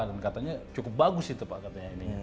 dan katanya cukup bagus sih itu pak katanya ini